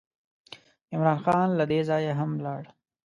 عمرا خان له دې ځایه هم ولاړ.